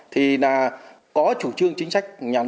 thì là có chủ trương chính sách nhà nước